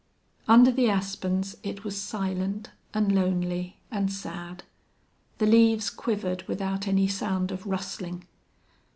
Under the aspens it was silent and lonely and sad. The leaves quivered without any sound of rustling.